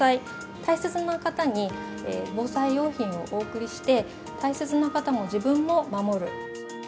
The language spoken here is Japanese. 大切な方に防災用品をお贈りして、大切な方も、自分も守る。